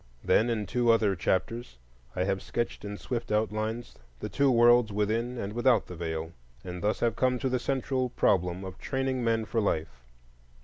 Then, in two other chapters I have sketched in swift outline the two worlds within and without the Veil, and thus have come to the central problem of training men for life.